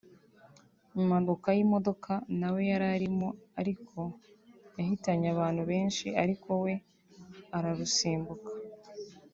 impanuka y’imodoka nawe yari arimo ikaba yahitanye abantu benshi ariko we ararusimbuka